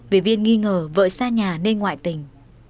vì viên nghi ngờ vợ xa nhà nên ngoại tình